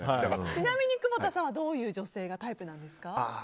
ちなみに久保田さんはどういう女性がタイプなんですか？